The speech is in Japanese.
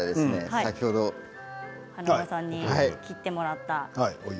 先ほど華丸さんに切ってもらった。